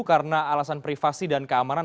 karena alasan privasi dan keamanan